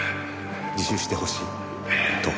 自首してほしいと」